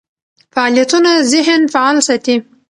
فعالیتونه ذهن فعال ساتي.